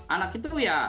anak itu ya